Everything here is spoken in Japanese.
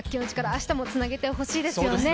明日もつなげてほしいですよね。